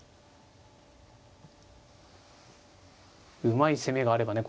うまい攻めがあればね